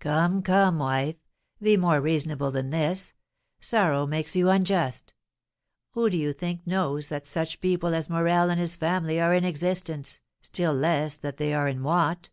"Come, come, wife! Be more reasonable than this; sorrow makes you unjust. Who do you think knows that such people as Morel and his family are in existence, still less that they are in want?"